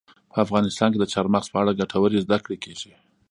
په افغانستان کې د چار مغز په اړه ګټورې زده کړې کېږي.